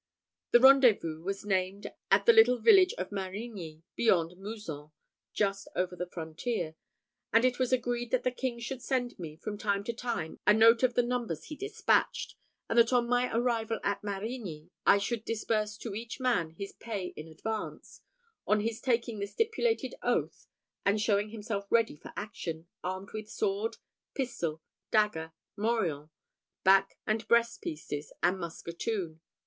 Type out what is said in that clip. The rendezvous was named at the little village of Marigny, beyond Mouzon, just over the frontier; and it was agreed that the king should send me, from time to time, a note of the numbers he despatched; and that on my arrival at Marigny I should disburse to each man his pay in advance, on his taking the stipulated oath, and showing himself ready for action, armed with sword, pistol, dagger, morion, back and breast pieces, and musketoon.